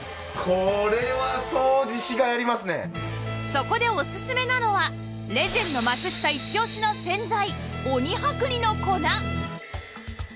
そこでおすすめなのはレジェンド松下イチオシの洗剤